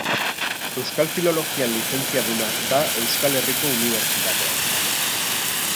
Euskal Filologian lizentziaduna da Euskal Herriko Unibertsitatean.